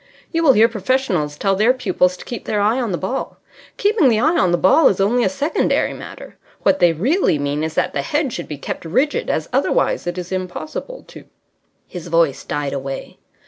You will hear professionals tell their pupils to keep their eye on the ball. Keeping the eye on the ball is only a secondary matter. What they really mean is that the head should be kept rigid, as otherwise it is impossible to " His voice died away.